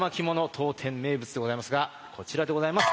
当店名物でございますがこちらでございます。